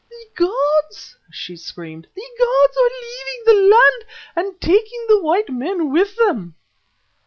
"The gods!" she screamed. "The gods are leaving the land and taking the white men with them."